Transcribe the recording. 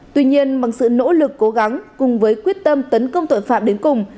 tuy nhiên bằng sự nỗ lực cố gắng cùng với quyết tâm tấn công tội phạm đến cùng